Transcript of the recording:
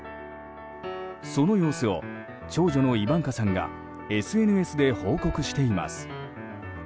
その様子を長女のイバンカさんがＳＮＳで報告しています。